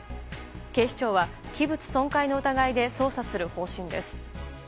警視庁は器物損壊の疑いで捜査する方針です。